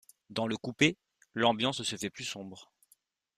Dans le coupé, l'ambiance se fait plus sombre.